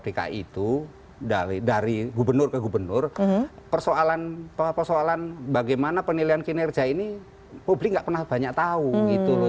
dki itu dari gubernur ke gubernur persoalan bagaimana penilaian kinerja ini publik nggak pernah banyak tahu gitu loh